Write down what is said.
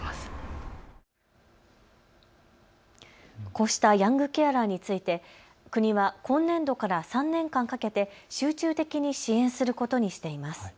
こうしたヤングケアラーについて、国は今年度から３年間かけて集中的に支援することにしています。